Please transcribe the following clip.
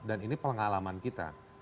dan ini pengalaman kita